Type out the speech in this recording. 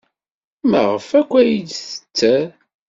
Maɣef akk ay d-tetter?